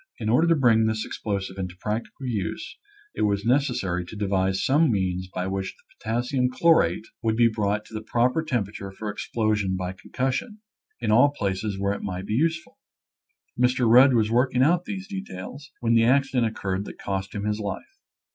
In order to bring this explosive into practical use it was necessary to devise some moans by which the potassium chlorate / I . Original from UNIVERSITY OF WISCONSIN 238 future's Afraclea. would be brought to the proper temperature for explosion by concussion, in all places where it might be useful. Mr, Rudd was work ing out these details when the accident oc curred that cost him his life.